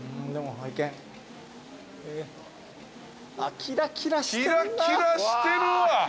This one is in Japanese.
キラキラしてるわ！